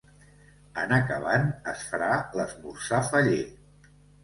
En acabant, es farà l’esmorzar faller.